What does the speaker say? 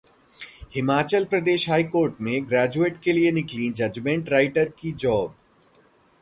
Himachal Pradesh high court में graduates के लिए निकली जजमेंट राइटर की जॉब